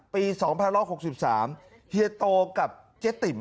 ปี๒๑๖๓เฮียโตกับเจ๊ติ๋ม